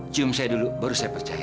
cium saya dulu baru saya percaya